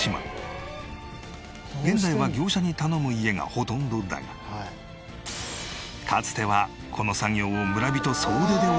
現在は業者に頼む家がほとんどだがかつてはこの作業を村人総出で行っていた。